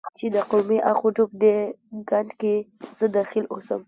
چې د قومي اخ و ډب دې ګند کې زه دخیل اوسم،